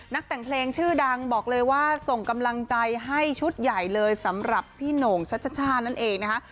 แต่งเพลงชื่อดังบอกเลยว่าส่งกำลังใจให้ชุดใหญ่เลยสำหรับพี่โหน่งชัชช่านั่นเองนะคะ